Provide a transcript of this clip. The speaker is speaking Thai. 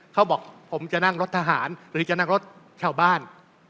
เขาบอกผมจะนั่งรถทหารหรือจะนั่งรถชาวบ้าน